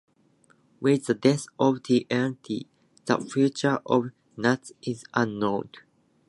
With the death of T-N-T, the future of Natas is unknown.